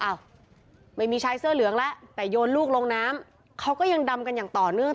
อ้าวไม่มีชายเสื้อเหลืองแล้วแต่โยนลูกลงน้ำเขาก็ยังดำกันอย่างต่อเนื่อง